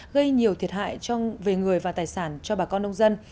gây nhiều thiệt hại về người và tài sản cho bà con nông dân